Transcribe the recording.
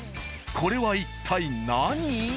これは一体何？